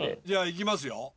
じゃあいきますよ。